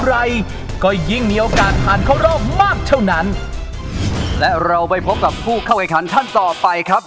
อะไรก็ยิ่งมีโอกาสผ่านเข้ารอบมากเท่านั้นและเราไปพบกับผู้เข้าแข่งขันท่านต่อไปครับ